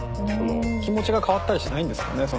気持ちが変わったりしないんですかね？